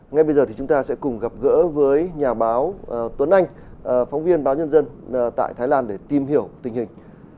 ngay bây giờ thì chúng ta sẽ cùng gặp gỡ với nhà báo tuấn anh phóng viên báo nhân dân tại thái lan để tìm hiểu tình hình